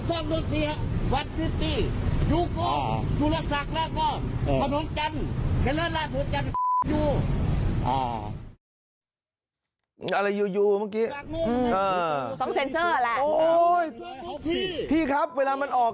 อะไรยูเมื่อกี้ฮืมเออต้องละโอ้ยพี่ครับเวลามันออก